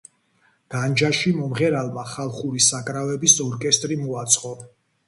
განჯაში მომღერალმა ხალხური საკრავების ორკესტრი მოაწყო.